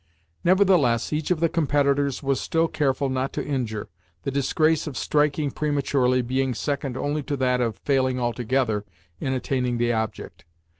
Nevertheless each of the competitors was still careful not to injure, the disgrace of striking prematurely being second only to that of failing altogether in attaining the object.